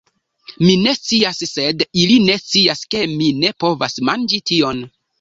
Mi ne scias sed ili ne scias, ke mi ne povas manĝi tion